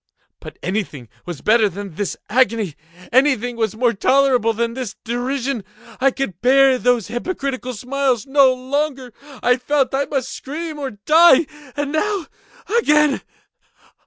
But anything was better than this agony! Anything was more tolerable than this derision! I could bear those hypocritical smiles no longer! I felt that I must scream or die! and now—again!